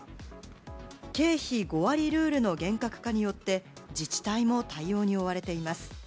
経費５割ルールの厳格化によって、自治体も対応に追われています。